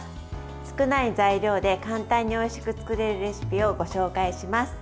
少ない材料で、簡単においしく作れるレシピをご紹介します。